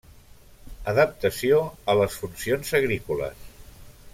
Adaptació a les funcions agrícoles.